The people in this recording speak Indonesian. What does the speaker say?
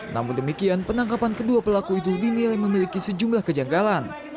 namun demikian penangkapan kedua pelaku itu dinilai memiliki sejumlah kejanggalan